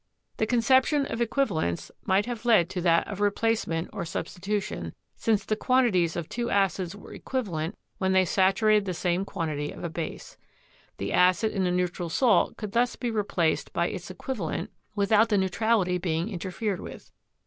The conception of equivalence might have led to that of replacement or substitution, since the quantities of two acids were equivalent when they saturated the same quan tity of a base. The acid in a neutral salt could thus be replaced by its equivalent without the neutrality being interfered with.